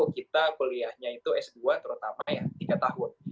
kita kuliahnya itu s dua terutama ya tiga tahun